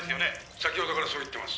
「先程からそう言ってます」